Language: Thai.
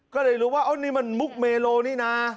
ก็เลยรู้ว่านี่มันมุกเมโลนี่นะ